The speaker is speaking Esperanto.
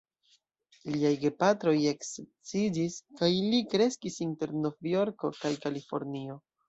Liaj gepatroj eksedziĝis, kaj li kreskis inter Novjorko kaj Kalifornio.